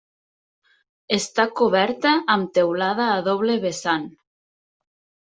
Està coberta amb teulada a doble vessant.